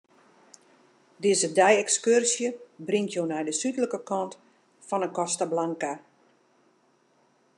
Dizze dei-ekskurzje bringt jo nei de súdlike kant fan 'e Costa Blanca.